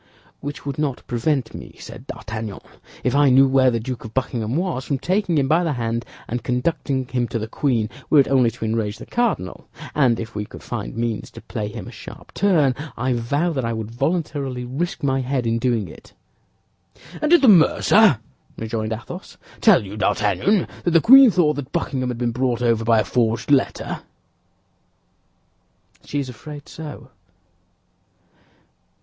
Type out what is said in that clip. "Which would not prevent me," said D'Artagnan, "if I knew where the Duke of Buckingham was, from taking him by the hand and conducting him to the queen, were it only to enrage the cardinal, and if we could find means to play him a sharp turn, I vow that I would voluntarily risk my head in doing it." "And did the mercer*," rejoined Athos, "tell you, D'Artagnan, that the queen thought that Buckingham had been brought over by a forged letter?" * Haberdasher "She is afraid so."